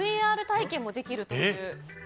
ＶＲ体験もできるという。